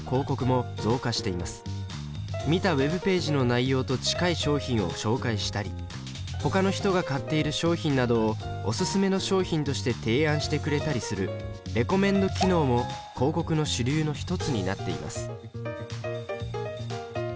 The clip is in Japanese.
見たＷｅｂページの内容と近い商品を紹介したり他の人が買っている商品などをおすすめの商品として提案してくれたりするレコメンド機能も広告の主流の一つになっています。